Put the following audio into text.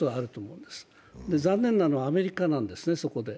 そこで残念なのはアメリカなんですね。